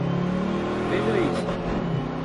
Veja isso?